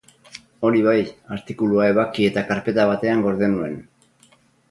Hori bai, artikulua ebaki eta karpeta batean gorde nuen.